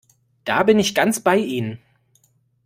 Da bin ich ganz bei Ihnen!